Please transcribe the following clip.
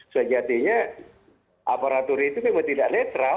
sejatinya aparatur itu memang tidak netral